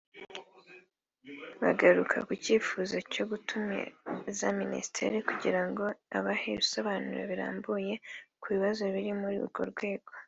bagarukaga ku cyifuzo cyo gutumiza Minisitiri kugira ngo abahe ibisobanuro birambuye ku bibazo biri muri urwo rwego